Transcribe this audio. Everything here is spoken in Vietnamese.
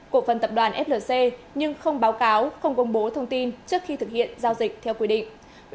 cổ phần tập đoàn flc nhưng không báo cáo không công bố thông tin trước khi thực hiện giao dịch theo quy định